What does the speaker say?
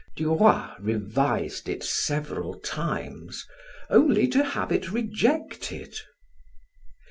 Duroy revised it several times, only to have it rejected.